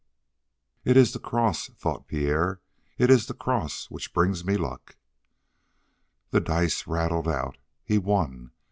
"It is the cross!" thought Pierre. "It is the cross which brings me luck." The dice rattled out. He won.